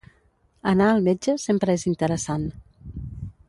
Anar al metge sempre és interessant.